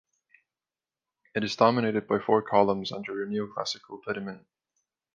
It is dominated by four columns under a neo-classical pediment.